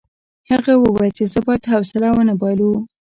هغه وویل چې باید حوصله ونه بایلو.